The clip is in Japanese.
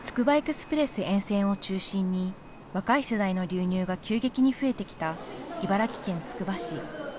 つくばエクスプレス沿線を中心に若い世代の流入が急激に増えてきた茨城県つくば市。